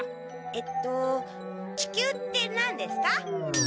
えっと地球って何ですか？